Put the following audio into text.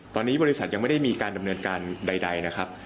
ตอนนี้บริษัทยังไม่ได้มีการดำเนินการใดนะครับ